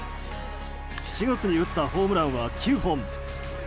７月に打ったホームランは９本。